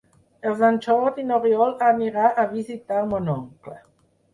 Per Sant Jordi n'Oriol anirà a visitar mon oncle.